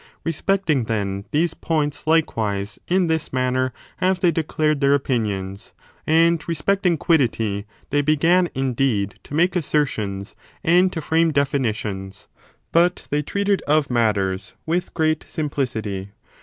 Bespecting, then, these points^ likewise, in this manner have they declared their opinions ; and respecting quiddity they began, indeed, to make asser tions and to frame definitions ; but they treated of matters with great simplicity.